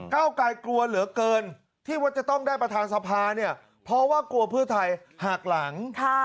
เก้าไกลกลัวเหลือเกินที่ว่าจะต้องได้ประธานสภาเนี่ยเพราะว่ากลัวเพื่อไทยหักหลัง